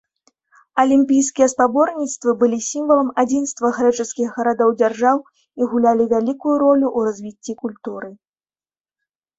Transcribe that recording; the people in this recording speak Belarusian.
Алімпійскія спаборніцтвы былі сімвалам адзінства грэчаскіх гарадоў-дзяржаў і гулялі вялікую ролю ў развіцці культуры.